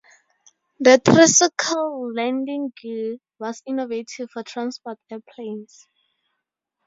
The tricycle landing gear was innovative for transport airplanes.